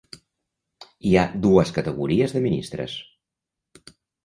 Hi ha dues categories de ministres.